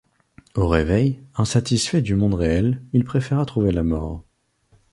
Au réveil, insatisfait du monde réel, il préférera trouver la mort.